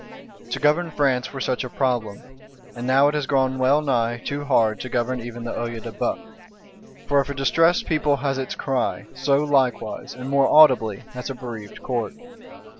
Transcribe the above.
To govern France were such a problem; and now it has grown well nigh too hard to govern even the Œil de Bœuf. For if a distressed People has its cry, so likewise, and more audibly, has a bereaved Court.